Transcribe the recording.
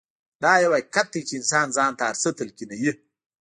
دا يو حقيقت دی چې انسان ځان ته هر څه تلقينوي.